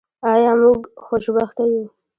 آیا موږ خوشبخته یو؟